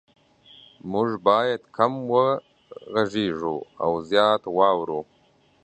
مونږ باید کم وغږیږو او زیات واورو